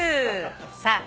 さあ